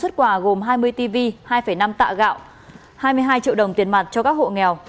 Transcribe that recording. hai xuất quà gồm hai mươi tv hai năm tạ gạo hai mươi hai triệu đồng tiền mặt cho các hộ nghèo